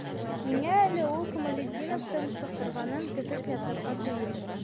Ниңә әле ул Камалетдиновтың саҡырғанын көтөп ятырға тейеш?